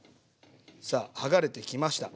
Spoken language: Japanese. さあはがれてきました。